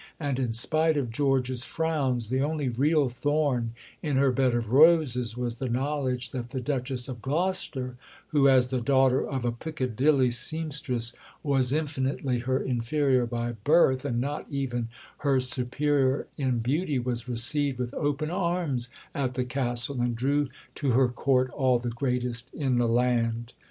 And, in spite of George's frowns, the only real thorn in her bed of roses was the knowledge that the Duchess of Gloucester, who, as the daughter of a Piccadilly sempstress, was infinitely her inferior by birth, and not even her superior in beauty, was received with open arms at the Castle, and drew to her court all the greatest in the land.